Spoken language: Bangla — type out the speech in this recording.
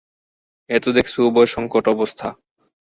এ তো দেখছি উভয়সংকট অবস্থা।